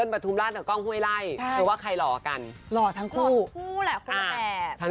คุณก้องรอแกล้งหลานแน่นอน